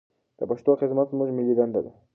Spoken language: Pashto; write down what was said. د پښتو خدمت زموږ ملي دنده ده.